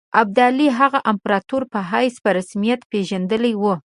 ابدالي هغه د امپراطور په حیث په رسمیت پېژندلی وو.